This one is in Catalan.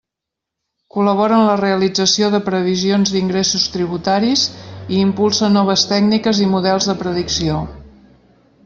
Col·labora en la realització de previsions d'ingressos tributaris i impulsa noves tècniques i models de predicció.